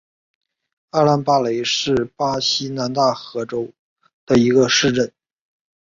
阿兰巴雷是巴西南大河州的一个市镇。